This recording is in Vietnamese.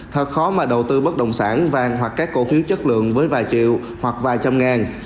thật khó mà đầu tư bất đồng sản vàng hoặc các cổ phiếu chất lượng với vài triệu hoặc vài trăm ngàn